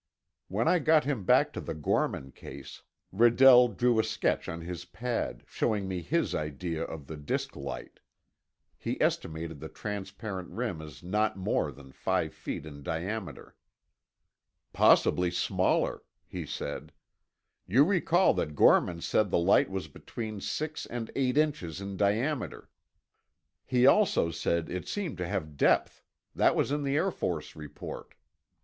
When I got him back to the Gorman case, Redell drew a sketch on his pad, showing me his idea of the disk light. He estimated the transparent rim as not more than five feet in diameter. "Possibly smaller," he said. "You recall that Gorman said the light was between six and eight inches in diameter. He also said it seemed to have depth—that was in the Air Force report."